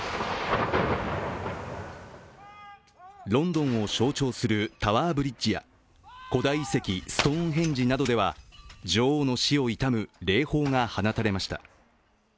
ロンドンを象徴するタワーブリッジや古代遺跡ストーンヘンジなどでは、女王の死を悼む礼砲が放たれました。